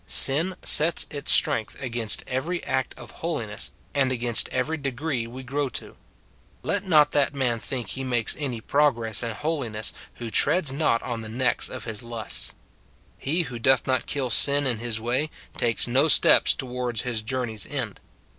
Sin sets its sti ength against every act of holiness, and against every degree we grow to. Let not that man think he makes any progress in holiness who treads not on the necks of his lusts. He who doth not kill sin in his way, takes no steps towards his journey's end.